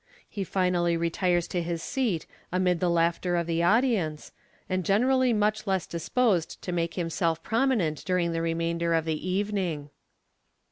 He finally retires to his seat amid the laughter of the audience, and generally much less disposed to make himself prominent during the remainder of the evening.